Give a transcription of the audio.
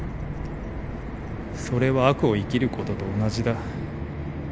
それは悪を生きることと同じだ。